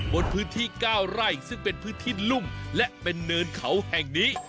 บนพื้นที่๙ไร่ซึ่งเป็นพื้นที่ลุ่มและเป็นเนินเขาแห่งนี้